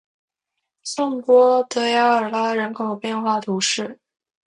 圣波德雅尔拉人口变化图示